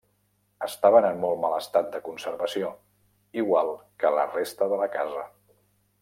Estaven en molt mal estat de conservació, igual que la resta de la casa.